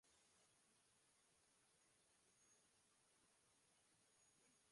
তার পিতার নাম ছিল দ্রোপিদাস।